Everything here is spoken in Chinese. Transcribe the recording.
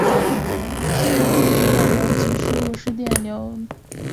输入偏置电流及输入失调电流同样影响该差动放大器线路上的失调电压。